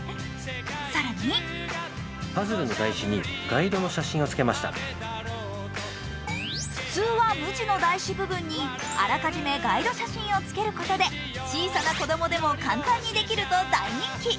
更に普通は無地の台紙部分にあらかじめガイド写真をつけることで、小さな子供でも簡単にできると大人気。